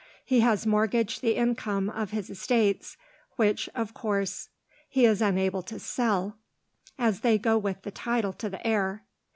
He has mortgaged the income of his estates, which, of course, he is unable to sell, as they go with the title to the heir.